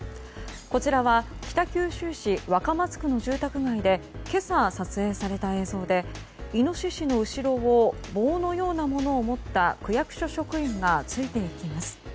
こちらは北九州市若松区の住宅街で今朝、撮影された映像でイノシシの後ろを棒のようなものを持った区役所職員がついていきます。